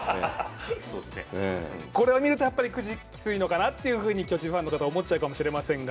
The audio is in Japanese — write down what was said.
これを見るとくじきついのかなと巨人ファンの方は思っちゃうかもしれませんが。